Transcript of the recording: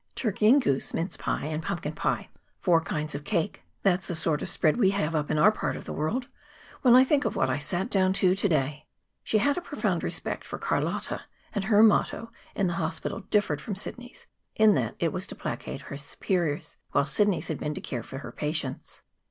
"Turkey and goose, mince pie and pumpkin pie, four kinds of cake; that's the sort of spread we have up in our part of the world. When I think of what I sat down to to day !" She had a profound respect for Carlotta, and her motto in the hospital differed from Sidney's in that it was to placate her superiors, while Sidney's had been to care for her patients.